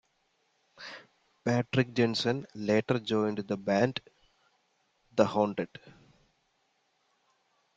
Patrik Jensen later joined the band The Haunted.